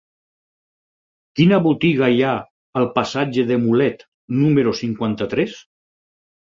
Quina botiga hi ha al passatge de Mulet número cinquanta-tres?